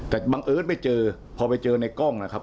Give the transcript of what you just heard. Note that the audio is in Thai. แต่บังเอิญไม่เจอพอไปเจอในกล้องนะครับ